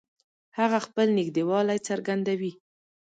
هغه خپل نږدېوالی څرګندوي